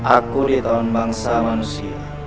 aku ditawan bangsa manusia